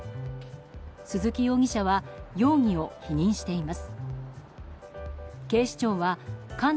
鈴木容疑者は容疑を否認しています。